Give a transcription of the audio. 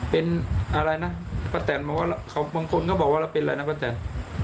เป็นอะไรนะป้าแตนบอกว่าบางคนก็บอกว่าเราเป็นอะไรนะป้าแตน